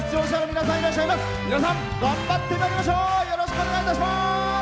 皆さん、頑張ってまいりましょう。